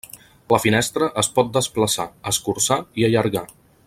La finestra es pot desplaçar, escurçar i allargar.